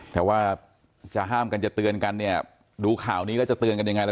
แต่ว่าจะห้ามกันจะเตือนกันเนี่ยดูข่าวนี้แล้วจะเตือนกันยังไงล่ะ